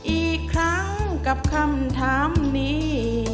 อีกครั้งกับคำถามนี้